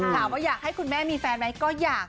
อยากให้คุณแม่มีแฟนไหมก็อยาก